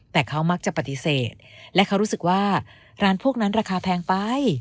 แต่เขามักจะปฏิเสธและเขารู้สึกว่าร้านพวกนั้นราคาแพงไป